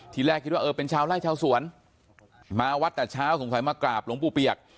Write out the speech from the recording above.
แรกคิดว่าเออเป็นชาวไล่ชาวสวนมาวัดแต่เช้าสงสัยมากราบหลวงปู่เปียก